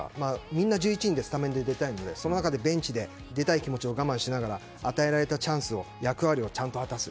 みんな１１人でスタメンで出たい中でそんな中、ベンチで出たい気持ちを我慢しながら与えられたチャンスを役割をちゃんと果たす。